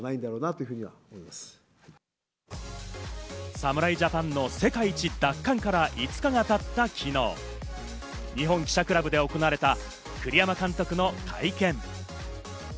侍ジャパンの世界一奪還から５日が経った昨日、日本記者クラブで行われた栗山監督の会見。